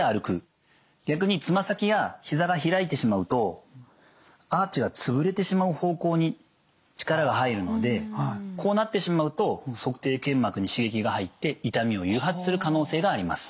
逆につま先や膝が開いてしまうとアーチが潰れてしまう方向に力が入るのでこうなってしまうと足底腱膜に刺激が入って痛みを誘発する可能性があります。